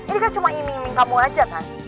ini kan cuma iming iming kamu aja kan